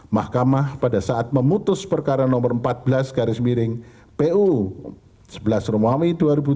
mahkamah pada saat memutus perkara nomor empat belas garis miring puu sebelas romawi dua ribu dua puluh